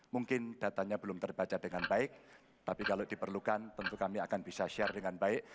mungkin datanya belum terbaca dengan baik tapi kalau diperlukan tentu kami akan bisa share dengan baik